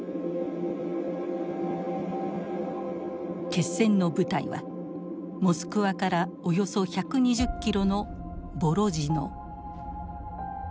決戦の舞台はモスクワからおよそ１２０キロのボロジノ。